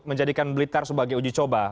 menjadikan blitar sebagai uji coba